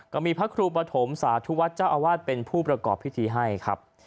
ก็มีพระครูปฐมสาธุวัฒน์เจ้าอาวาสเป็นผู้ประกอบพิธีให้ครับ